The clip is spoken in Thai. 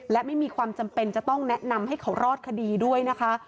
และไม่มีความจำเป็นจะต้องแนะนำให้เขารอดคดีด้วยนะคะ